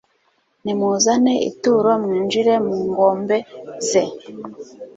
nimuzane ituro mwinjire mu ngombe ze